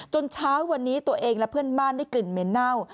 เช้าวันนี้ตัวเองและเพื่อนบ้านได้กลิ่นเหม็นเน่า